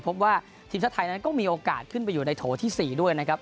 พบว่าทีมชาติไทยนั้นก็มีโอกาสขึ้นไปอยู่ในโถที่๔ด้วยนะครับ